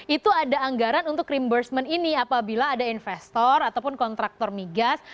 itu ada anggaran untuk rembursement ini apabila ada investor ataupun kontraktor migas